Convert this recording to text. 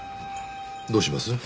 どうします？